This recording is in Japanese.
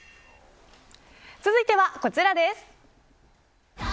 続いては、こちらです。